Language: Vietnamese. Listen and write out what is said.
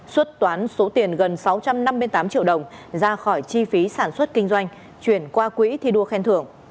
xuất toán số tiền gần sáu trăm năm mươi tám triệu đồng ra khỏi chi phí sản xuất kinh doanh chuyển qua quỹ thi đua khen thưởng